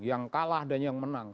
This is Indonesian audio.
yang kalah dan yang menang